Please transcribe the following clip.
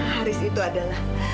haris itu adalah